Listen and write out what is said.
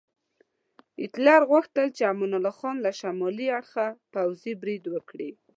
هیټلر غوښتل چې امان الله خان له شمالي اړخه پوځي برید وکړي.